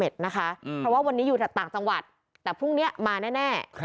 เพราะว่าวันนี้อยู่ต่างจังหวัดแต่พรุ่งนี้มาแน่